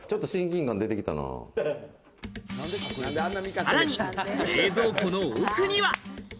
さらに冷蔵庫の奥には。